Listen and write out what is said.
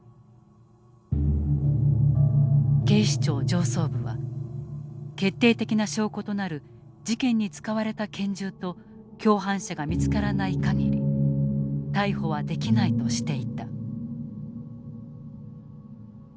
警視庁上層部は決定的な証拠となる事件に使われたけん銃と共犯者が見つからない限り逮捕はできないとしていた。